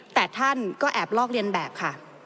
แต่ท่านก็แอบลอกเรียนแบบค่ะ